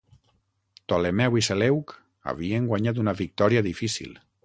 Ptolemeu i Seleuc havien guanyat una victòria difícil.